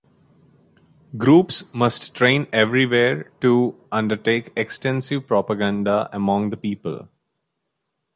Groups must train everywhere to undertake extensive propaganda among the people.